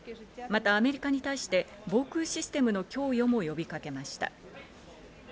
またアメリカに対して防空システムの供与も呼びかけました。